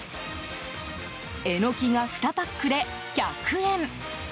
エノキが２パックで１００円。